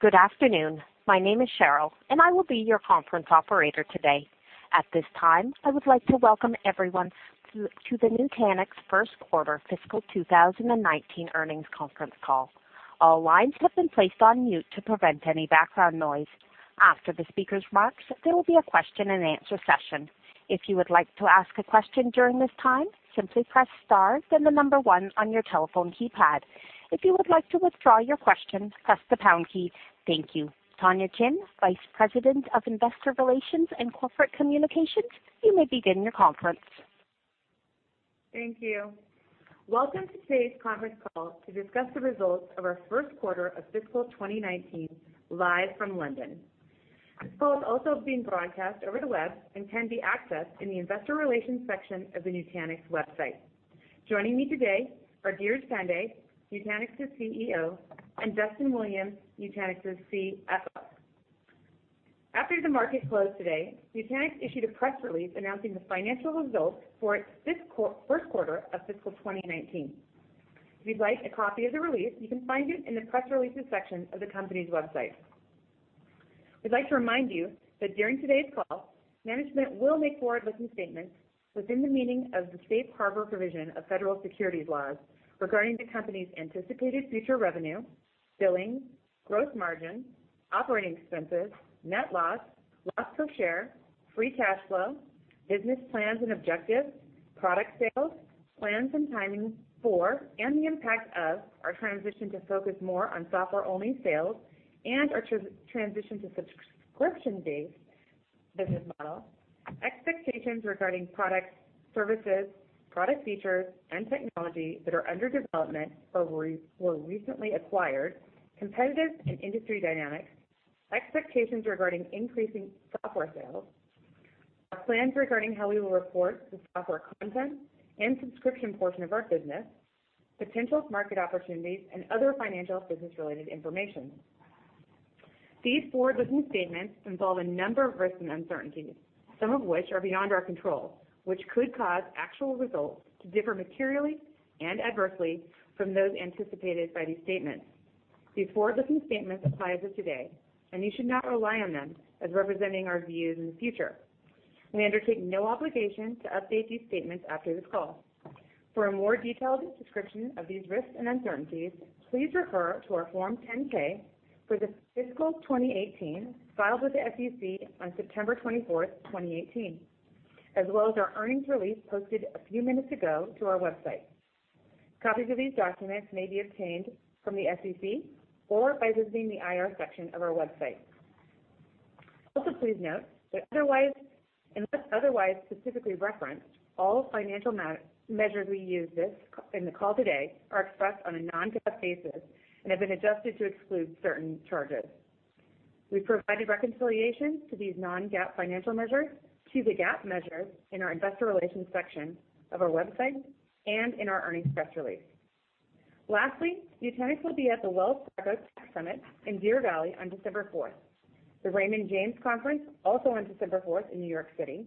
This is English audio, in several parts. Good afternoon. My name is Cheryl, and I will be your conference operator today. At this time, I would like to welcome everyone to the Nutanix first quarter fiscal 2019 earnings conference call. All lines have been placed on mute to prevent any background noise. After the speakers' remarks, there will be a question and answer session. If you would like to ask a question during this time, simply press star then the number one on your telephone keypad. If you would like to withdraw your question, press the pound key. Thank you. Tonya Chin, Vice President of Investor Relations and Corporate Communications, you may begin your conference. Thank you. Welcome to today's conference call to discuss the results of our first quarter of fiscal 2019 live from London. This call is also being broadcast over the web and can be accessed in the investor relations section of the Nutanix website. Joining me today are Dheeraj Pandey, Nutanix's CEO, and Duston Williams, Nutanix's CFO. After the market closed today, Nutanix issued a press release announcing the financial results for its first quarter of fiscal 2019. If you'd like a copy of the release, you can find it in the press releases section of the company's website. We'd like to remind you that during today's call, management will make forward-looking statements within the meaning of the safe harbor provision of federal securities laws regarding the company's anticipated future revenue, billing, gross margin, operating expenses, net loss per share, free cash flow, business plans and objectives, product sales, plans and timing for, and the impact of our transition to focus more on software-only sales and our transition to subscription-based business model, expectations regarding products, services, product features, and technology that are under development or were recently acquired, competitive and industry dynamics, expectations regarding increasing software sales, our plans regarding how we will report the software content and subscription portion of our business, potential market opportunities, and other financial business-related information. These forward-looking statements involve a number of risks and uncertainties, some of which are beyond our control, which could cause actual results to differ materially and adversely from those anticipated by these statements. These forward-looking statements apply as of today, and you should not rely on them as representing our views in the future. We undertake no obligation to update these statements after this call. For a more detailed description of these risks and uncertainties, please refer to our Form 10-K for the fiscal 2018 filed with the SEC on September 24th, 2018, as well as our earnings release posted a few minutes ago to our website. Copies of these documents may be obtained from the SEC or by visiting the IR section of our website. Also, please note that unless otherwise specifically referenced, all financial measures we use in the call today are expressed on a non-GAAP basis and have been adjusted to exclude certain charges. We've provided reconciliations to these non-GAAP financial measures to the GAAP measures in our investor relations section of our website and in our earnings press release. Lastly, Nutanix will be at the Wells Fargo Tech Summit in Deer Valley on December 4th, the Raymond James Conference also on December 4th in New York City,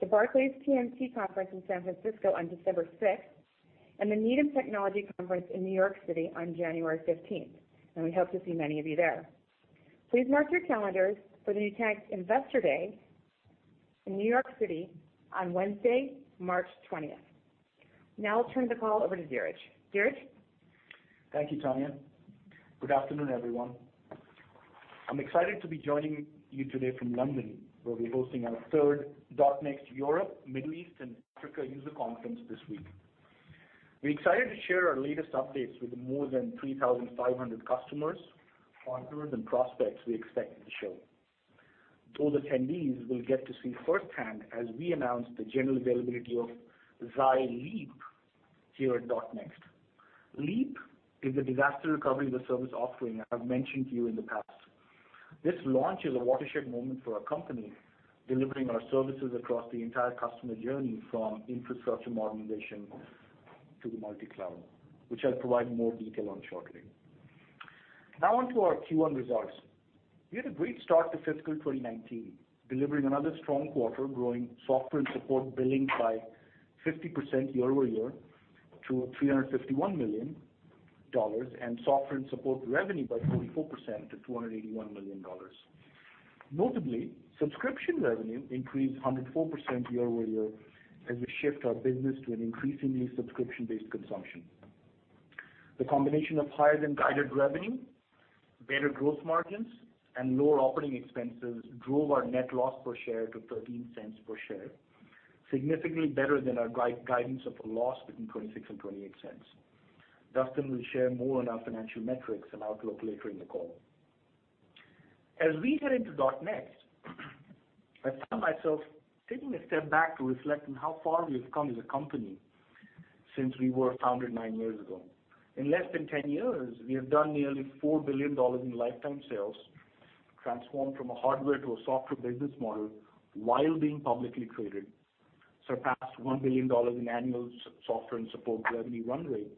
the Barclays TMT Conference in San Francisco on December 6th, and the Needham Technology Conference in New York City on January 15th, and we hope to see many of you there. Please mark your calendars for the Nutanix Investor Day in New York City on Wednesday, March 20th. I'll turn the call over to Dheeraj. Dheeraj? Thank you, Tonya. Good afternoon, everyone. I'm excited to be joining you today from London, where we'll be hosting our third .NEXT Europe, Middle East, and Africa user conference this week. We're excited to share our latest updates with the more than 3,500 customers, partners, and prospects we expect at the show. Those attendees will get to see firsthand as we announce the general availability of Xi Leap here at .NEXT. Leap is a disaster recovery as a service offering I've mentioned to you in the past. This launch is a watershed moment for our company, delivering our services across the entire customer journey from infrastructure modernization to the multi-cloud, which I'll provide more detail on shortly. Now onto our Q1 results. We had a great start to fiscal 2019, delivering another strong quarter growing software and support billing by 50% year-over-year to $351 million and software and support revenue by 44% to $281 million. Notably, subscription revenue increased 104% year-over-year as we shift our business to an increasingly subscription-based consumption. The combination of higher-than-guided revenue, better gross margins, and lower operating expenses drove our net loss per share to $0.13 per share, significantly better than our guidance of a loss between $0.26 and $0.28. Duston will share more on our financial metrics and outlook later in the call. As we head into .NEXT, I find myself taking a step back to reflect on how far we've come as a company since we were founded nine years ago. In less than 10 years, we have done nearly $4 billion in lifetime sales, transformed from a hardware to a software business model while being publicly traded, surpassed $1 billion in annual software and support revenue run rate,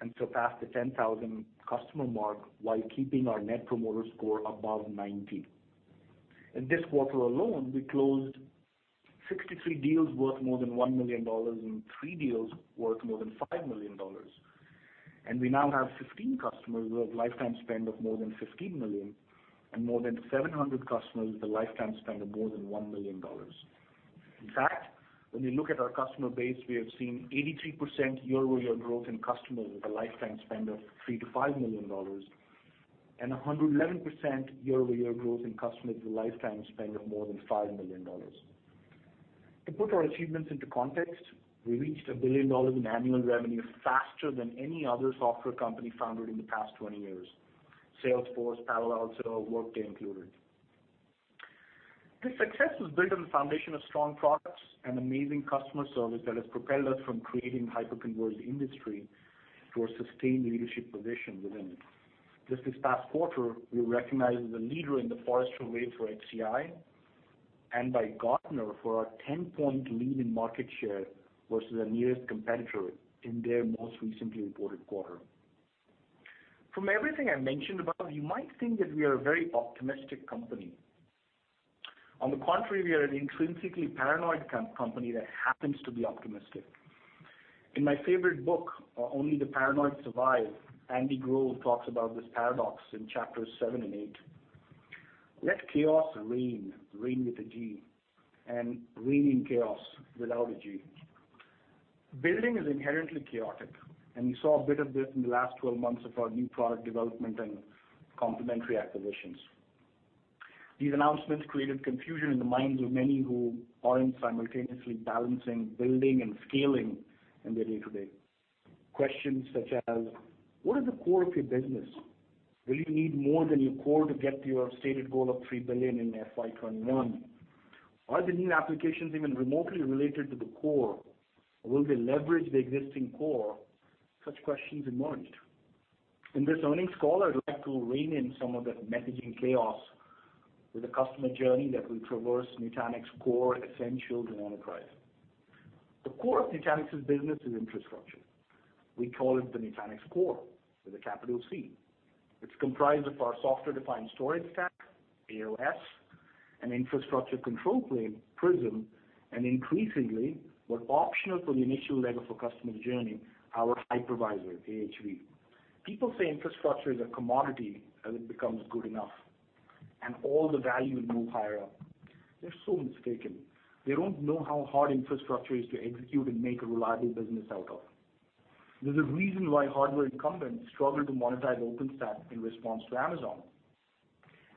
and surpassed the 10,000 customer mark while keeping our Net Promoter Score above 90. In this quarter alone, we closed 63 deals worth more than $1 million and three deals worth more than $5 million. We now have 15 customers with a lifetime spend of more than $15 million and more than 700 customers with a lifetime spend of more than $1 million. In fact, when we look at our customer base, we have seen 83% year-over-year growth in customers with a lifetime spend of $3 million-$5 million, and 111% year-over-year growth in customers with a lifetime spend of more than $5 million. To put our achievements into context, we reached $1 billion in annual revenue faster than any other software company founded in the past 20 years. Salesforce, Pivotal, ServiceNow, Workday included. This success was built on the foundation of strong products and amazing customer service that has propelled us from creating a hyper-converged industry to a sustained leadership position within it. Just this past quarter, we were recognized as a leader in the Forrester Wave for HCI, and by Gartner for our 10-point lead in market share versus our nearest competitor in their most recently reported quarter. From everything I mentioned about, you might think that we are a very optimistic company. On the contrary, we are an intrinsically paranoid company that happens to be optimistic. In my favorite book, "Only the Paranoid Survive," Andy Grove talks about this paradox in chapters seven and eight. Let chaos reign. Reign with a G, and rein in chaos without a G. Building is inherently chaotic, and you saw a bit of this in the last 12 months of our new product development and complementary acquisitions. These announcements created confusion in the minds of many who are simultaneously balancing building and scaling in their day-to-day. Questions such as, what is the core of your business? Will you need more than your core to get to your stated goal of $3 billion in FY 2021? Are the new applications even remotely related to the core? Will they leverage the existing core? Such questions emerged. In this earnings call, I'd like to rein in some of that messaging chaos with a customer journey that will traverse Nutanix Core, Essentials, and Enterprise. The core of Nutanix's business is infrastructure. We call it the Nutanix Core with a capital C. It's comprised of our software-defined storage stack, AOS, an infrastructure control plane, Prism, and increasingly, but optional for the initial leg of a customer's journey, our hypervisor, AHV. People say infrastructure is a commodity as it becomes good enough, and all the value will move higher up. They're so mistaken. They don't know how hard infrastructure is to execute and make a reliable business out of. There's a reason why hardware incumbents struggle to monetize OpenStack in response to Amazon.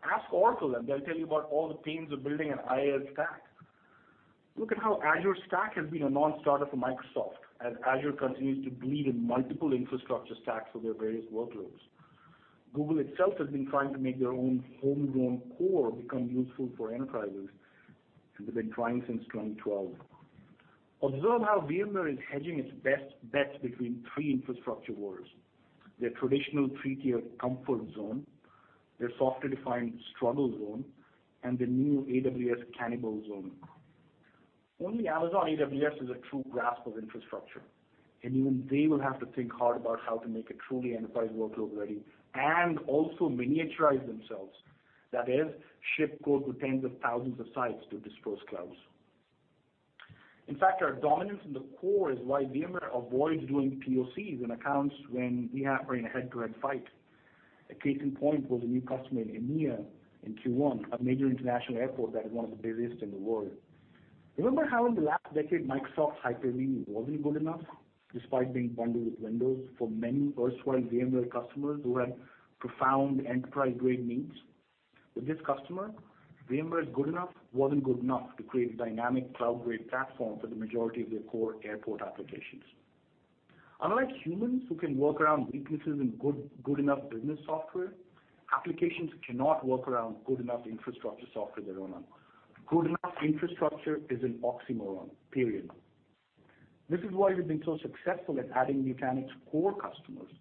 Ask Oracle, and they'll tell you about all the pains of building an IaaS stack. Look at how Azure Stack has been a non-starter for Microsoft as Azure continues to bleed in multiple infrastructure stacks for their various workloads. Google itself has been trying to make their own homegrown core become useful for enterprises, and they've been trying since 2012. Observe how VMware is hedging its best bets between three infrastructure wars: their traditional three-tiered comfort zone, their software-defined struggle zone, and the new AWS cannibal zone. Only Amazon AWS has a true grasp of infrastructure, and even they will have to think hard about how to make it truly enterprise workload ready and also miniaturize themselves. That is, ship code to tens of thousands of sites to disperse clouds. In fact, our dominance in the core is why VMware avoids doing POCs and accounts when we are in a head-to-head fight. A case in point was a new customer in EMEA in Q1, a major international airport that is one of the busiest in the world. Remember how in the last decade, Microsoft Hyper-V wasn't good enough, despite being bundled with Windows for many erstwhile VMware customers who had profound enterprise-grade needs? With this customer, VMware's good enough wasn't good enough to create a dynamic cloud-grade platform for the majority of their core airport applications. Unlike humans who can work around weaknesses in good enough business software, applications cannot work around good enough infrastructure software they run on. Good enough infrastructure is an oxymoron, period. This is why we've been so successful at adding Nutanix core customers.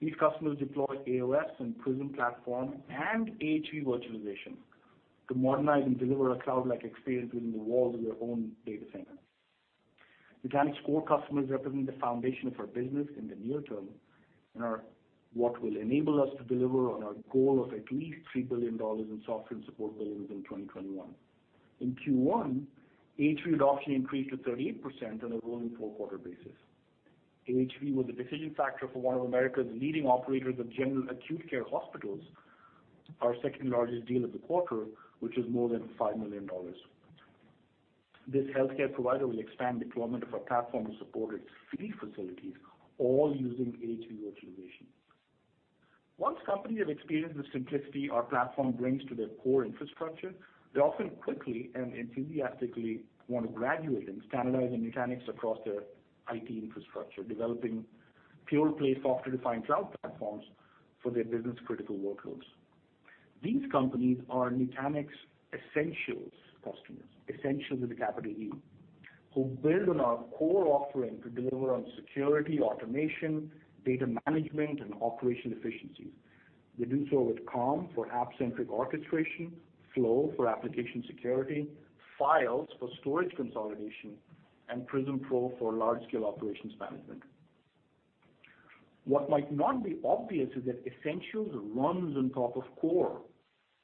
These customers deploy AOS and Prism platform and AHV virtualization to modernize and deliver a cloud-like experience within the walls of their own data centers. Nutanix core customers represent the foundation of our business in the near term and are what will enable us to deliver on our goal of at least $3 billion in software and support billings in 2021. In Q1, AHV adoption increased to 38% on a rolling four-quarter basis. AHV was a decision factor for one of America's leading operators of general acute care hospitals, our second-largest deal of the quarter, which was more than $5 million. This healthcare provider will expand deployment of our platform to support its three facilities, all using AHV virtualization. Once companies have experienced the simplicity our platform brings to their core infrastructure, they often quickly and enthusiastically want to graduate and standardize on Nutanix across their IT infrastructure, developing pure-play software-defined cloud platforms for their business-critical workloads. These companies are Nutanix Essentials customers, who build on our Core offering to deliver on security, automation, data management, and operational efficiencies. They do so with Calm for app-centric orchestration, Flow for application security, Files for storage consolidation, and Prism Pro for large-scale operations management. What might not be obvious is that Essentials runs on top of Core.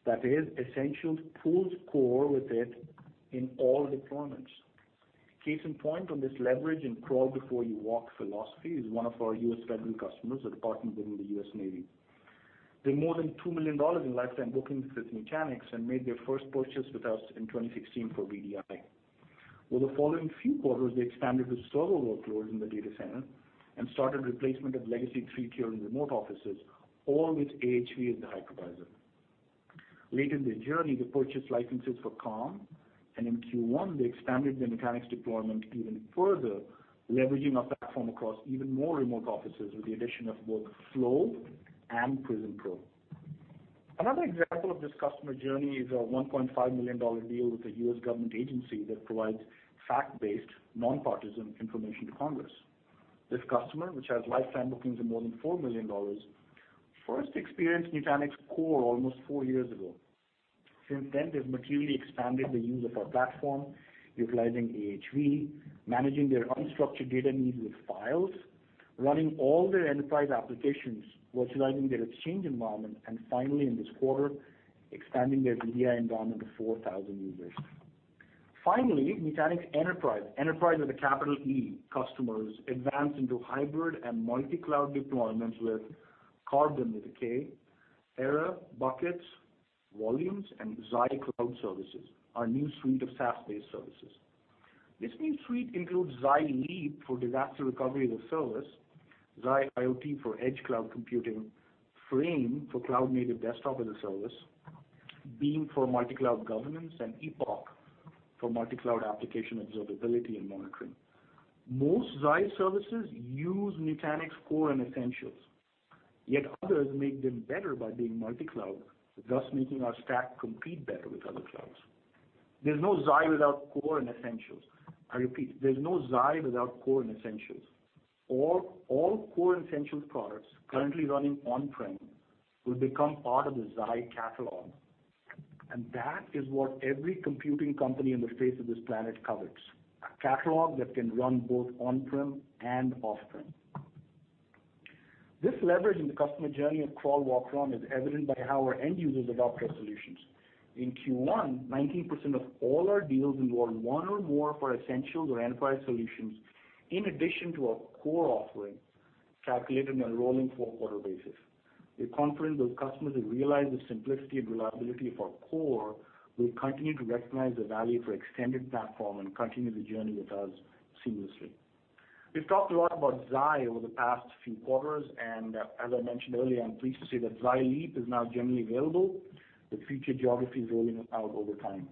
That is, Essentials pulls Core with it in all deployments. Case in point on this leverage and crawl before you walk philosophy is one of our U.S. federal customers, a department within the U.S. Navy. They have more than $2 million in lifetime bookings with Nutanix and made their first purchase with us in 2016 for VDI. Over the following few quarters, they expanded the server workload in the data center and started replacement of Legacy 3 tier in remote offices, all with AHV as the hypervisor. Late in their journey, they purchased licenses for Calm, and in Q1, they expanded their Nutanix deployment even further, leveraging our platform across even more remote offices with the addition of both Flow and Prism Pro. Another example of this customer journey is a $1.5 million deal with a U.S. government agency that provides fact-based, nonpartisan information to Congress. This customer, which has lifetime bookings of more than $4 million, first experienced Nutanix Core almost four years ago. Since then, they've materially expanded the use of our platform utilizing AHV, managing their unstructured data needs with Files, running all their enterprise applications, virtualizing their Exchange environment, and finally, in this quarter, expanding their VDI environment to 4,000 users. Finally, Nutanix Enterprise. Enterprise with a capital E customers advance into hybrid and multi-cloud deployments with Karbon with a K, Era, Buckets, Volumes, and Xi Cloud Services, our new suite of SaaS-based services. This new suite includes Xi Leap for disaster recovery as a service, Xi IoT for edge cloud computing, Frame for cloud-native desktop as a service, Beam for multi-cloud governance, and Epoch for multi-cloud application observability and monitoring. Most Xi services use Nutanix Core and Essentials, yet others make them better by being multi-cloud, thus making our stack compete better with other clouds. There's no Xi without Core and Essentials. I repeat, there's no Xi without Core and Essentials. That is what every computing company in the face of this planet covets. A catalog that can run both on-prem and off-prem. This leverage in the customer journey of crawl, walk, run is evident by how our end users adopt our solutions. In Q1, 19% of all our deals involved one or more of our Essentials or Enterprise solutions, in addition to our Core offering, calculated on a rolling four-quarter basis. We're confident those customers who realize the simplicity and reliability of our Core will continue to recognize the value of our extended platform and continue the journey with us seamlessly. As I mentioned earlier, I'm pleased to say that Xi Leap is now generally available, with future geographies rolling out over time.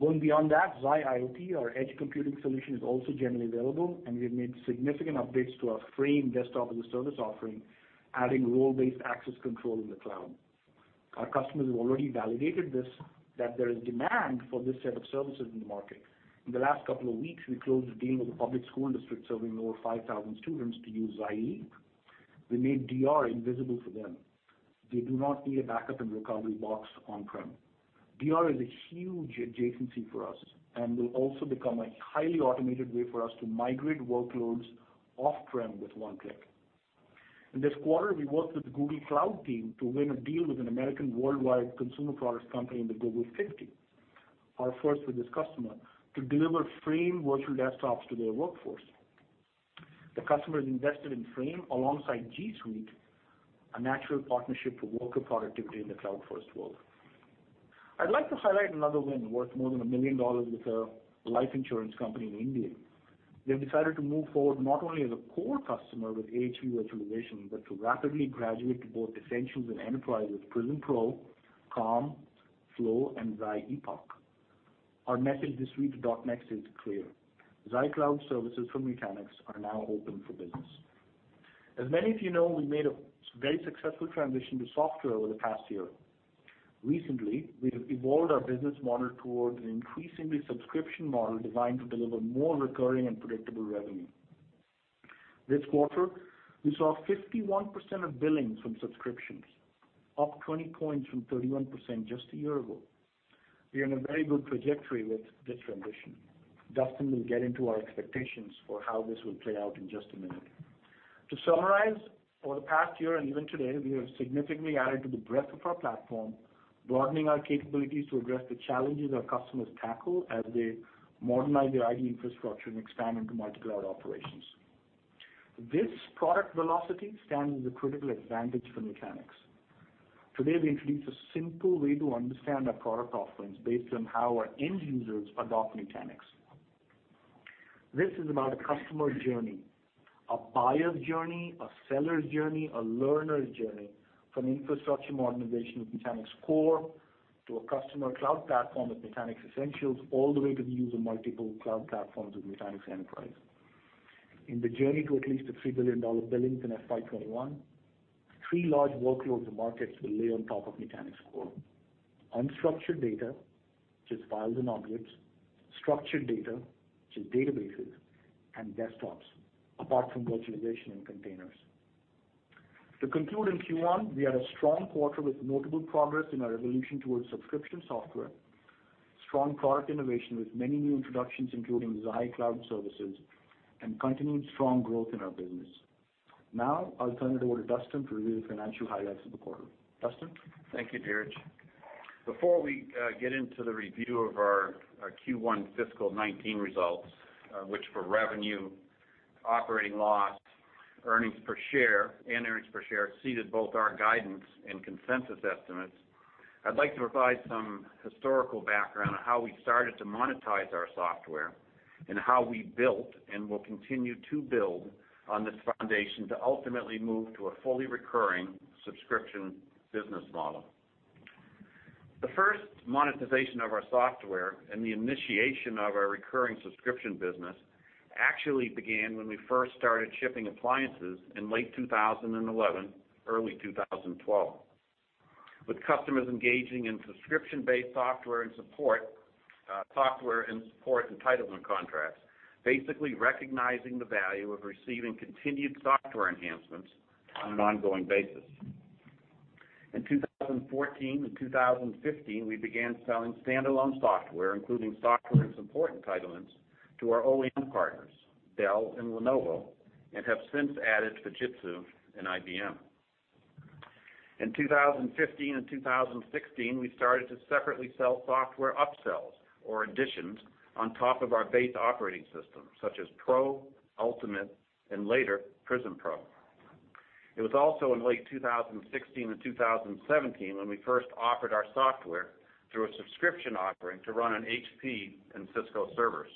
Going beyond that, Xi IoT, our edge computing solution, is also generally available. We've made significant updates to our Frame desktop as a service offering, adding role-based access control in the cloud. Our customers have already validated this, that there is demand for this set of services in the market. In the last couple of weeks, we closed a deal with a public school district serving over 5,000 students to use Xi Leap. We made DR invisible for them. They do not need a backup and recovery box on-prem. DR is a huge adjacency for us and will also become a highly automated way for us to migrate workloads off-prem with one click. In this quarter, we worked with the Google Cloud team to win a deal with an American worldwide consumer products company in the Global 500, our first with this customer, to deliver Frame virtual desktops to their workforce. The customer has invested in Frame alongside G Suite, a natural partnership for worker productivity in the cloud-first world. I'd like to highlight another win worth more than $1 million with a life insurance company in India. They've decided to move forward not only as a Core customer with AHV virtualization, but to rapidly graduate to both Essentials and Enterprise with Prism Pro, Calm, Flow, and Xi Epoch. Our message this week to .NEXT is clear: Xi Cloud Services from Nutanix are now open for business. As many of you know, we made a very successful transition to software over the past year. Recently, we've evolved our business model towards an increasingly subscription model designed to deliver more recurring and predictable revenue. This quarter, we saw 51% of billings from subscriptions, up 20 points from 31% just a year ago. We are in a very good trajectory with this transition. Duston will get into our expectations for how this will play out in just a minute. To summarize, over the past year and even today, we have significantly added to the breadth of our platform, broadening our capabilities to address the challenges our customers tackle as they modernize their IT infrastructure and expand into multi-cloud operations. This product velocity stands as a critical advantage for Nutanix. Today, we introduce a simple way to understand our product offerings based on how our end users adopt Nutanix. This is about a customer journey, a buyer's journey, a seller's journey, a learner's journey from infrastructure modernization with Nutanix Core to a customer cloud platform with Nutanix Essentials, all the way to the use of multiple cloud platforms with Nutanix Enterprise. In the journey to at least a $3 billion billings in FY 2021, three large workloads and markets will lay on top of Nutanix Core: unstructured data, which is files and objects, structured data, which is databases, and desktops, apart from virtualization and containers. To conclude in Q1, we had a strong quarter with notable progress in our evolution towards subscription software, strong product innovation with many new introductions, including Xi Cloud Services, and continued strong growth in our business. Now I'll turn it over to Duston to review the financial highlights of the quarter. Duston? Thank you, Dheeraj. Before we get into the review of our Q1 fiscal 2019 results, which for revenue, operating loss, and earnings per share exceeded both our guidance and consensus estimates, I'd like to provide some historical background on how we started to monetize our software and how we built and will continue to build on this foundation to ultimately move to a fully recurring subscription business model. The first monetization of our software and the initiation of our recurring subscription business actually began when we first started shipping appliances in late 2011, early 2012, with customers engaging in subscription-based software and support entitlement contracts, basically recognizing the value of receiving continued software enhancements on an ongoing basis. In 2014 and 2015, we began selling standalone software, including software and support entitlements, to our OEM partners, Dell and Lenovo, and have since added Fujitsu and IBM. In 2015 and 2016, we started to separately sell software upsells or additions on top of our base operating system, such as Pro, Ultimate, and later, Prism Pro. It was also in late 2016 and 2017 when we first offered our software through a subscription offering to run on HP and Cisco servers.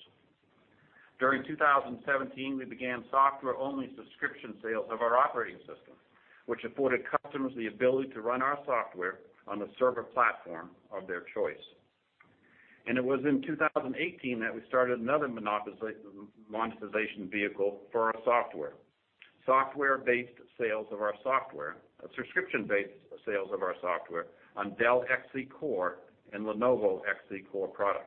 During 2017, we began software-only subscription sales of our operating system, which afforded customers the ability to run our software on the server platform of their choice. It was in 2018 that we started another monetization vehicle for our software, subscription-based sales of our software on Dell XC Core and Lenovo XC Core products.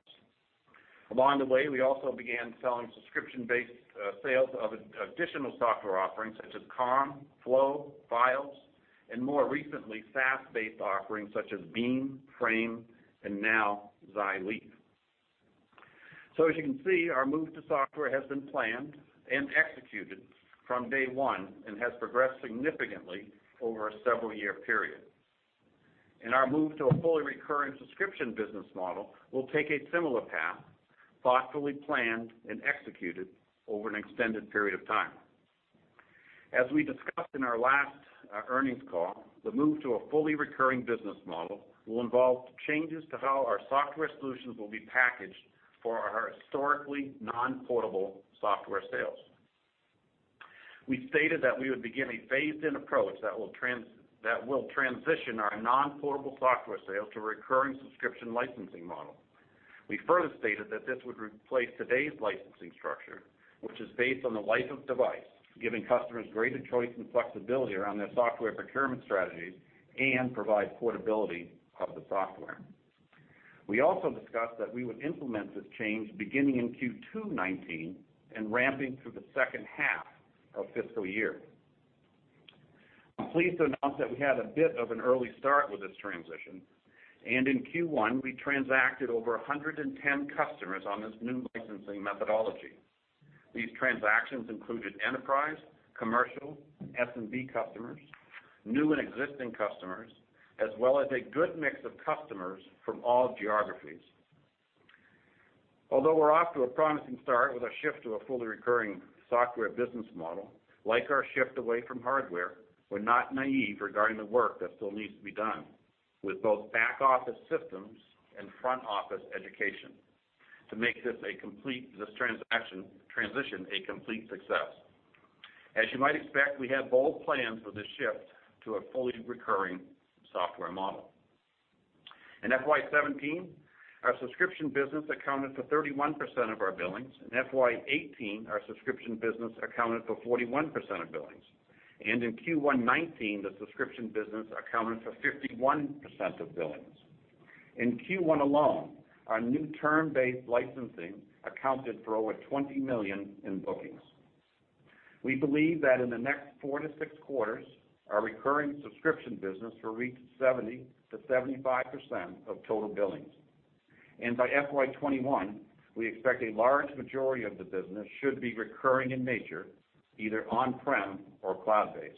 Along the way, we also began selling subscription-based sales of additional software offerings such as Calm, Flow, Files, and more recently, SaaS-based offerings such as Beam, Frame, and now Xi Leap. As you can see, our move to software has been planned and executed from day one and has progressed significantly over a several-year period. Our move to a fully recurring subscription business model will take a similar path, thoughtfully planned and executed over an extended period of time. As we discussed in our last earnings call, the move to a fully recurring business model will involve changes to how our software solutions will be packaged for our historically non-portable software sales. We stated that we would begin a phased-in approach that will transition our non-portable software sales to a recurring subscription licensing model. We further stated that this would replace today's licensing structure, which is based on the life of device, giving customers greater choice and flexibility around their software procurement strategies and provide portability of the software. We also discussed that we would implement this change beginning in Q2 2019 and ramping through the second half of fiscal year. I am pleased to announce that we had a bit of an early start with this transition, and in Q1, we transacted over 110 customers on this new licensing methodology. These transactions included enterprise, commercial, S&B customers, new and existing customers, as well as a good mix of customers from all geographies. Although we are off to a promising start with our shift to a fully recurring software business model, like our shift away from hardware, we are not naive regarding the work that still needs to be done with both back-office systems and front-office education to make this transition a complete success. As you might expect, we have bold plans for this shift to a fully recurring software model. In FY 2017, our subscription business accounted for 31% of our billings. In FY 2018, our subscription business accounted for 41% of billings. In Q1 2019, the subscription business accounted for 51% of billings. In Q1 alone, our new term-based licensing accounted for over $20 million in bookings. We believe that in the next four to six quarters, our recurring subscription business will reach 70%-75% of total billings. By FY 2021, we expect a large majority of the business should be recurring in nature, either on-prem or cloud-based.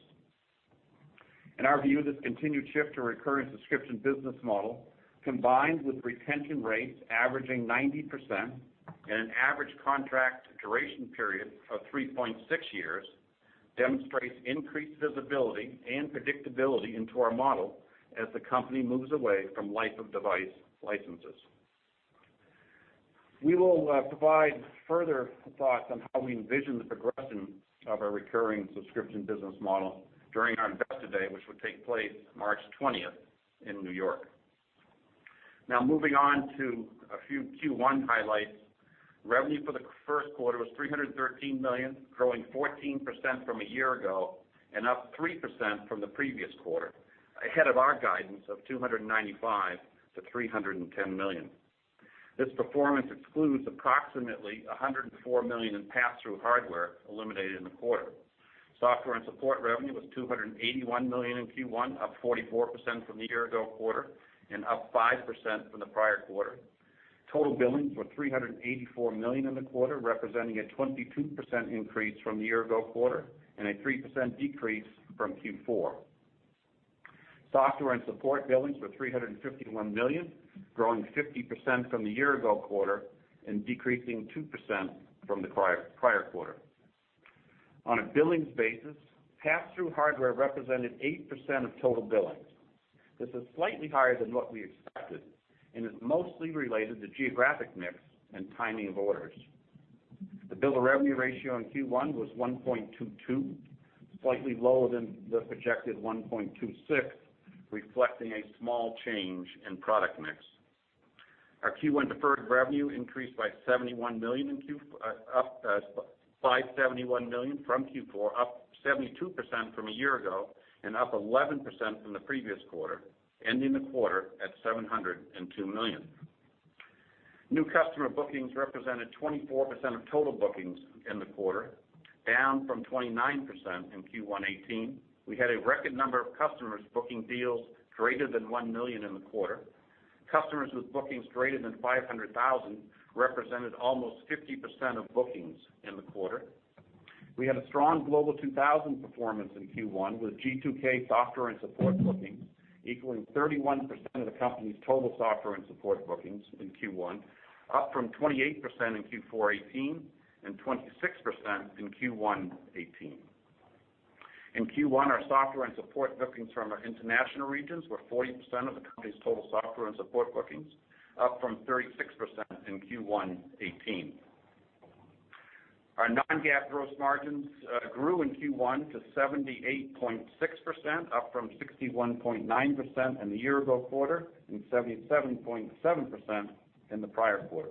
In our view, this continued shift to a recurring subscription business model, combined with retention rates averaging 90% and an average contract duration period of 3.6 years, demonstrates increased visibility and predictability into our model as the company moves away from life-of-device licenses. We will provide further thoughts on how we envision the progression of our recurring subscription business model during our Investor Day, which will take place March 20th in New York. Moving on to a few Q1 highlights. Revenue for the first quarter was $313 million, growing 14% from a year ago and up 3% from the previous quarter, ahead of our guidance of $295 million to $310 million. This performance excludes approximately $104 million in pass-through hardware eliminated in the quarter. Software and support revenue was $281 million in Q1, up 44% from the year-ago quarter and up 5% from the prior quarter. Total billings were $384 million in the quarter, representing a 22% increase from the year-ago quarter and a 3% decrease from Q4. Software and support billings were $351 million, growing 50% from the year-ago quarter and decreasing 2% from the prior quarter. On a billings basis, pass-through hardware represented 8% of total billings. This is slightly higher than what we expected and is mostly related to geographic mix and timing of orders. The bill of revenue ratio in Q1 was 1.22, slightly lower than the projected 1.26, reflecting a small change in product mix. Our Q1 deferred revenue increased by $71 million from Q4, up 72% from a year ago, and up 11% from the previous quarter, ending the quarter at $702 million. New customer bookings represented 24% of total bookings in the quarter, down from 29% in Q1 2018. We had a record number of customers booking deals greater than $1 million in the quarter. Customers with bookings greater than $500,000 represented almost 50% of bookings in the quarter. We had a strong Global 2000 performance in Q1 with G2K software and support bookings equaling 31% of the company's total software and support bookings in Q1, up from 28% in Q4 2018 and 26% in Q1 2018. In Q1, our software and support bookings from our international regions were 40% of the company's total software and support bookings, up from 36% in Q1 2018. Our non-GAAP gross margins grew in Q1 to 78.6%, up from 61.9% in the year-ago quarter and 77.7% in the prior quarter.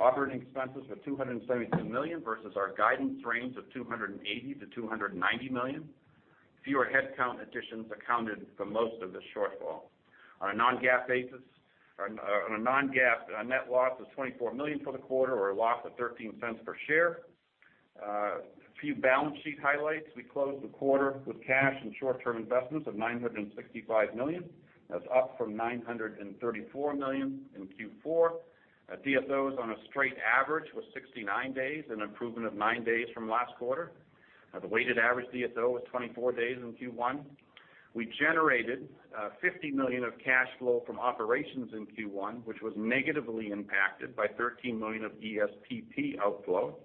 Operating expenses were $272 million versus our guidance range of $280 million-$290 million. Fewer headcount additions accounted for most of this shortfall. On a non-GAAP net loss of $24 million for the quarter or a loss of $0.13 per share. A few balance sheet highlights. We closed the quarter with cash and short-term investments of $965 million. That's up from $934 million in Q4. DSOs on a straight average was 69 days, an improvement of nine days from last quarter. The weighted average DSO was 24 days in Q1. We generated $50 million of cash flow from operations in Q1, which was negatively impacted by $13 million of ESPP outflow.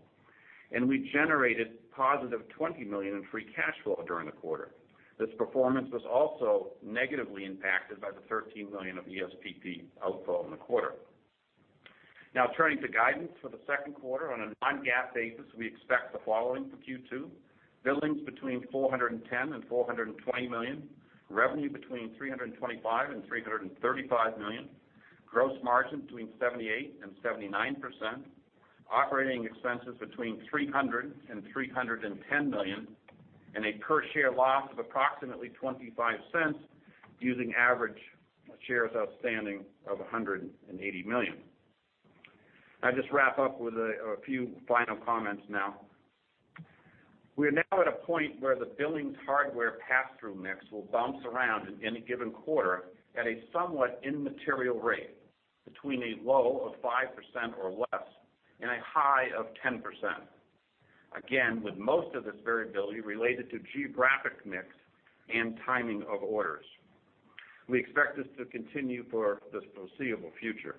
We generated positive $20 million in free cash flow during the quarter. This performance was also negatively impacted by the $13 million of ESPP outflow in the quarter. Now, turning to guidance for the second quarter. On a non-GAAP basis, we expect the following for Q2. Billings between $410 million-$420 million, revenue between $325 million-$335 million, gross margin between 78%-79%, operating expenses between $300 million-$310 million, and a per-share loss of approximately $0.25 using average shares outstanding of 180 million. I just wrap up with a few final comments now. We are now at a point where the billings hardware pass-through mix will bounce around in any given quarter at a somewhat immaterial rate, between a low of 5% or less and a high of 10%. Again, with most of this variability related to geographic mix and timing of orders. We expect this to continue for the foreseeable future.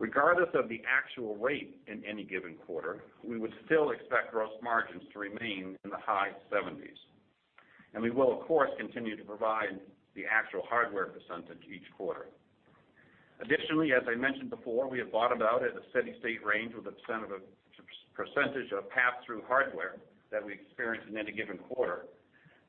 Regardless of the actual rate in any given quarter, we would still expect gross margins to remain in the high 70s. We will, of course, continue to provide the actual hardware percentage each quarter. Additionally, as I mentioned before, we have bottomed out at a steady-state range with a percentage of pass-through hardware that we experience in any given quarter.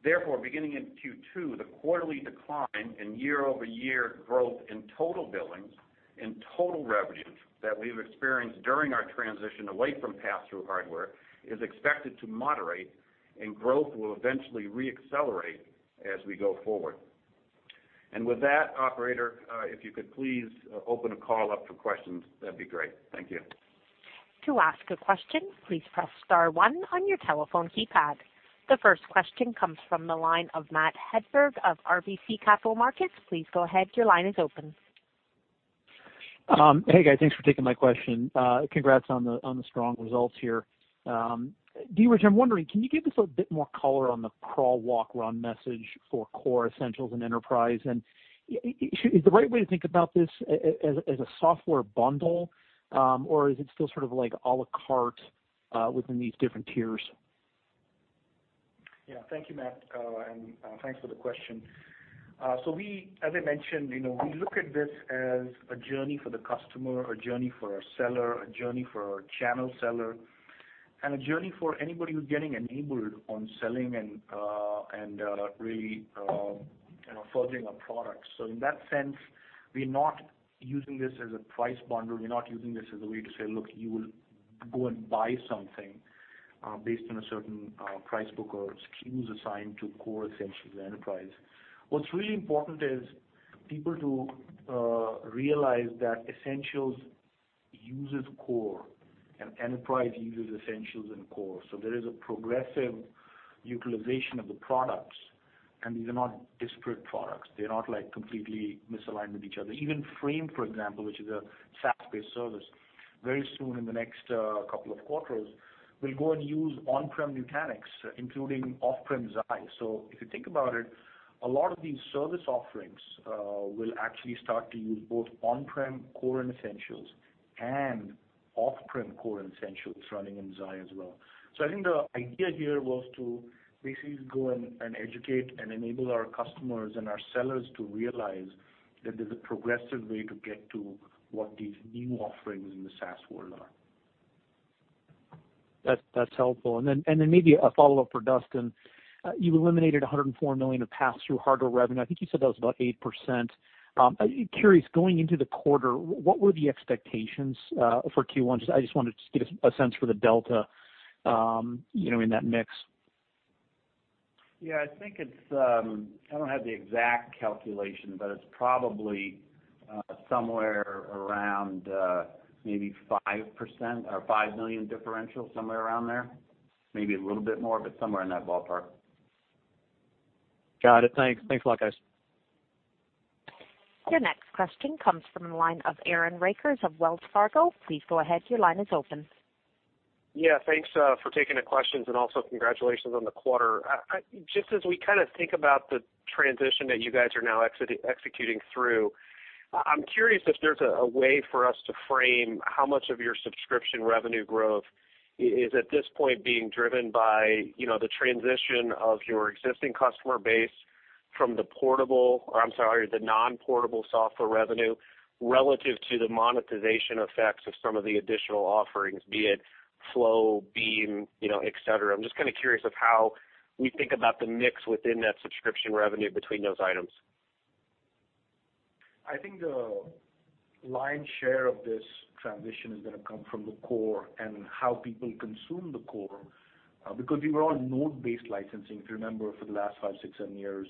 Beginning in Q2, the quarterly decline in year-over-year growth in total billings and total revenues that we've experienced during our transition away from pass-through hardware is expected to moderate, and growth will eventually re-accelerate as we go forward. With that, operator, if you could please open the call up for questions, that'd be great. Thank you. To ask a question, please press *1 on your telephone keypad. The first question comes from the line of Matthew Hedberg of RBC Capital Markets. Please go ahead, your line is open. Hey guys, thanks for taking my question. Congrats on the strong results here. Dheeraj, I'm wondering, can you give us a bit more color on the crawl, walk, run message for Core, Essentials, and Enterprise? Is the right way to think about this as a software bundle, or is it still à la carte within these different tiers? Thank you, Matt, and thanks for the question. As I mentioned, we look at this as a journey for the customer, a journey for our seller, a journey for our channel seller, and a journey for anybody who's getting enabled on selling and really forging our product. In that sense, we're not using this as a price bundle. We're not using this as a way to say, look, you will go and buy something based on a certain price book or SKUs assigned to Core, Essentials, Enterprise. What's really important is people to realize that Essentials uses Core, and Enterprise uses Essentials and Core. There is a progressive utilization of the products, and these are not disparate products. They're not completely misaligned with each other. Even Frame, for example, which is a SaaS-based service, very soon, in the next couple of quarters, will go and use on-prem Nutanix, including off-prem Xi. If you think about it, a lot of these service offerings will actually start to use both on-prem Core and Essentials and off-prem Core and Essentials running in Xi as well. I think the idea here was to basically go and educate and enable our customers and our sellers to realize that there's a progressive way to get to what these new offerings in the SaaS world are. That's helpful. Maybe a follow-up for Dustin. You eliminated $104 million of pass-through hardware revenue. I think you said that was about 8%. Curious, going into the quarter, what were the expectations for Q1? I just wanted to get a sense for the delta in that mix. Yeah. I don't have the exact calculation, but it's probably somewhere around maybe 5% or $5 million differential, somewhere around there. Maybe a little bit more, but somewhere in that ballpark. Got it. Thanks a lot, guys. Your next question comes from the line of Aaron Rakers of Wells Fargo. Please go ahead, your line is open. Yeah, thanks for taking the questions and also congratulations on the quarter. Just as we think about the transition that you guys are now executing through, I'm curious if there's a way for us to frame how much of your subscription revenue growth is at this point being driven by the transition of your existing customer base from the non-portable software revenue relative to the monetization effects of some of the additional offerings, be it Flow, Beam, etc. I'm just curious of how we think about the mix within that subscription revenue between those items. I think the lion's share of this transition is going to come from the Core and how people consume the Core. Because we were on node-based licensing, if you remember, for the last five, six, seven years.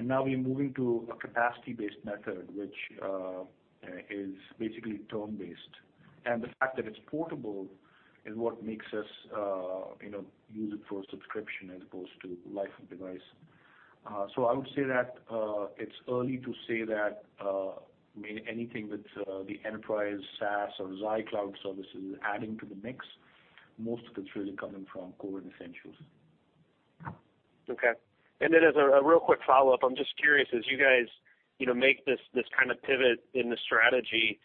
Now we're moving to a capacity-based method, which is basically term-based. The fact that it's portable is what makes us use it for a subscription as opposed to life of device. I would say that it's early to say that anything that the Enterprise, SaaS, or Xi Cloud Services is adding to the mix. Most of it's really coming from Core and Essentials. Okay. Then as a real quick follow-up, I'm just curious, as you guys make this kind of pivot in the strategy,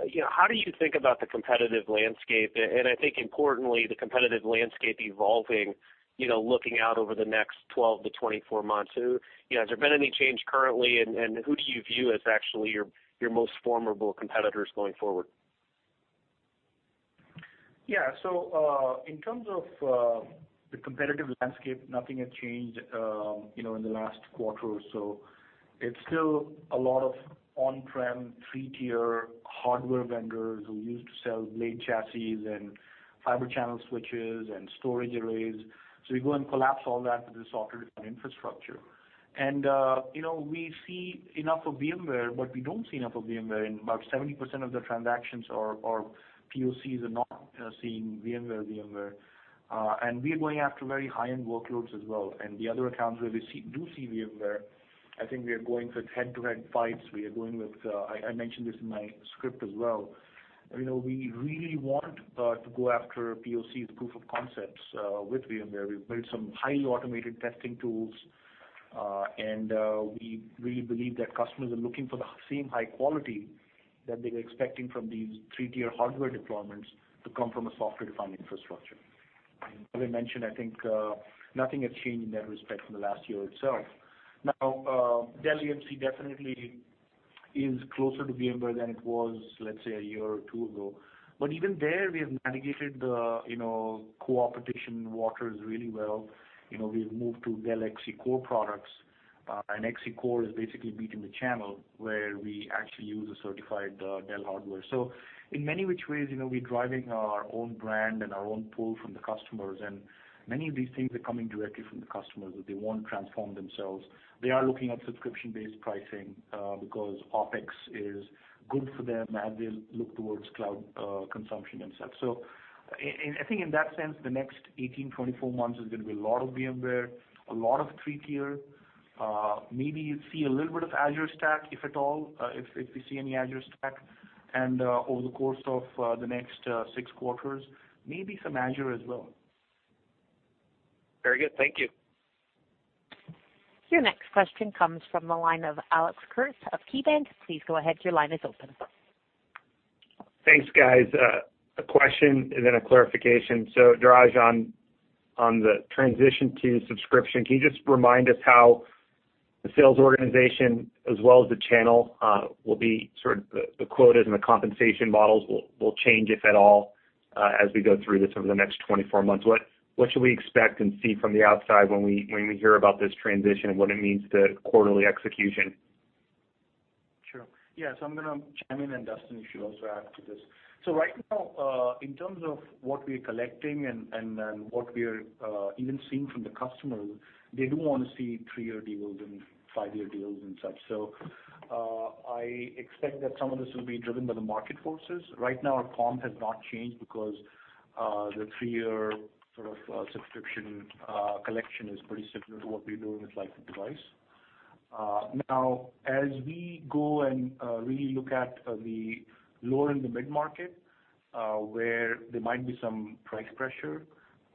how do you think about the competitive landscape? I think importantly, the competitive landscape evolving, looking out over the next 12 to 24 months. Has there been any change currently, and who do you view as actually your most formidable competitors going forward? In terms of the competitive landscape, nothing has changed in the last quarter or so. It's still a lot of on-prem three-tier hardware vendors who used to sell blade chassis and fiber channel switches and storage arrays. We go and collapse all that to the software-defined infrastructure. We see enough of VMware, but we don't see enough of VMware. In about 70% of the transactions or POCs are not seeing VMware. We are going after very high-end workloads as well. The other accounts where we do see VMware, I think we are going for head-to-head fights. I mentioned this in my script as well. We really want to go after POCs, proof of concepts, with VMware. We've built some highly automated testing tools. We really believe that customers are looking for the same high quality that they were expecting from these three-tier hardware deployments to come from a software-defined infrastructure. As I mentioned, I think nothing has changed in that respect from the last year itself. Dell EMC definitely is closer to VMware than it was, let's say, a year or two ago. Even there, we have navigated the co-opetition waters really well. We've moved to Dell XC Core products. XC Core is basically beating the channel where we actually use a certified Dell hardware. In many which ways, we're driving our own brand and our own pull from the customers, and many of these things are coming directly from the customers, that they want to transform themselves. They are looking at subscription-based pricing because OpEx is good for them as they look towards cloud consumption themselves. I think in that sense, the next 18-24 months is going to be a lot of VMware, a lot of three-tier. Maybe you'd see a little bit of Azure Stack, if at all, if we see any Azure Stack. Over the course of the next six quarters, maybe some Azure as well. Very good. Thank you. Your next question comes from the line of Alex Kurtz of KeyBanc. Please go ahead, your line is open. Thanks, guys. A question and then a clarification. Dheeraj, on the transition to subscription, can you just remind us how the sales organization as well as the channel will be sort of the quotas and the compensation models will change, if at all, as we go through this over the next 24 months? What should we expect and see from the outside when we hear about this transition and what it means to quarterly execution? Yes, I'm going to chime in. Duston should also add to this. Right now, in terms of what we're collecting what we're even seeing from the customers, they do want to see three-year deals and five-year deals and such. I expect that some of this will be driven by the market forces. Right now, our comp has not changed because the three-year subscription collection is pretty similar to what we do in with life with device. Now, as we go and really look at the lower and the mid-market, where there might be some price pressure,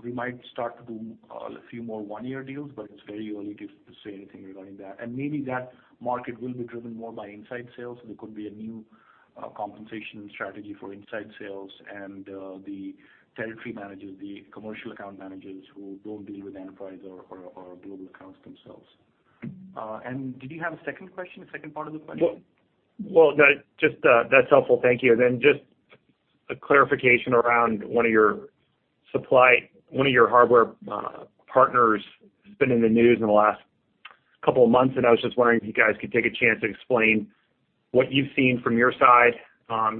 we might start to do a few more one-year deals, it's very early to say anything regarding that. Maybe that market will be driven more by inside sales, there could be a new compensation strategy for inside sales and the territory managers, the commercial account managers who don't deal with enterprise or global accounts themselves. Did you have a second question, a second part of the question? Well, that's helpful. Thank you. Just a clarification around one of your hardware partners has been in the news in the last couple of months, and I was just wondering if you guys could take a chance to explain what you've seen from your side,